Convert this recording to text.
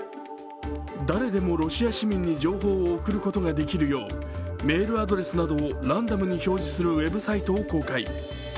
誰でもロシア市民に情報を送ることができるようメールアドレスなどをランダムに表示するウェブサイトを公開。